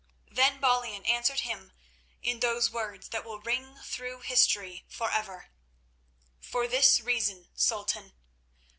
Then Balian answered him in those words that will ring through history forever. "For this reason, Sultan.